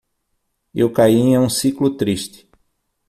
Eu caí em um ciclo triste